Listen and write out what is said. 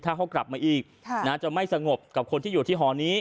ถ้าเขากลับมาอีกจะไม่สงบกับคนที่อยู่ที่หอนี้